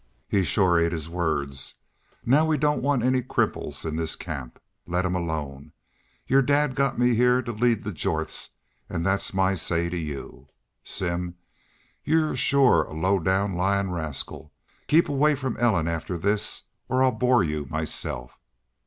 He's shore ate his words. Now, we don't want any cripples in this camp. Let him alone. Your dad got me heah to lead the Jorths, an' that's my say to you.... Simm, you're shore a low down lyin' rascal. Keep away from Ellen after this or I'll bore you myself....